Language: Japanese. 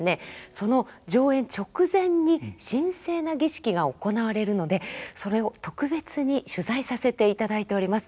その上演直前に神聖な儀式が行われるのでそれを特別に取材させていただいております。